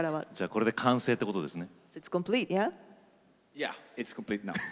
これで完成ってことですね。